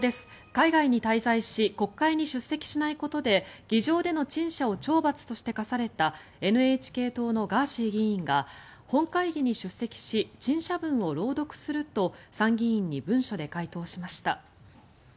海外に滞在し国会に出席しないことで議場での陳謝を懲罰として科されたＮＨＫ党のガーシー議員が本会議に出席し陳謝文を朗読すると参議院に文書で回答しました。